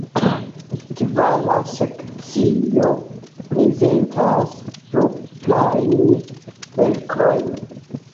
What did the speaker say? Kvara sekcio prezentas proprajn verkojn.